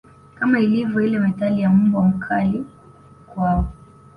Kama ilivyo ile methali ya mbwa mkali kwao